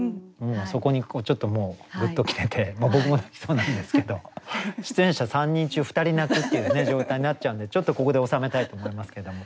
そこにちょっとグッと来てて僕も泣きそうなんですけど出演者３人中２人泣くっていう状態になっちゃうんでちょっとここで収めたいと思いますけども。